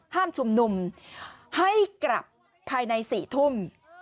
ห้ามชุมนุมให้กลับภายใน๔ทุ่ม